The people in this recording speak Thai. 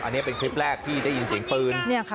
อันนี้เป็นคลิปแรกที่ได้ยินเสียงปืน